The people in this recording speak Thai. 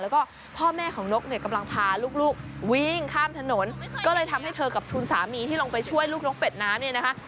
แล้วก็พ่อแม่ของนกเนี่ยกำลังพาลูกวิ่งข้ามถนนก็เลยทำให้เธอกับคุณสามีที่ลงไปช่วยลูกนกเป็ดน้ำเนี่ยนะคะ